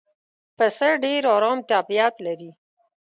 پسه ډېر آرام طبیعت لري.